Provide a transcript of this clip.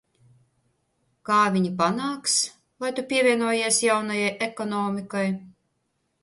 Kā viņi panāks, lai tu pievienojies jaunajai ekonomikai?